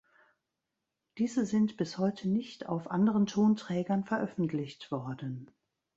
Diese sind bis heute nicht auf anderen Tonträgern veröffentlicht worden.